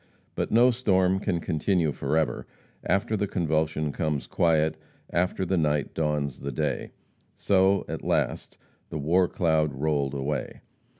But no storm can continue forever; after the convulsion comes quiet; after the night dawns the day so, at last, the war cloud rolled away.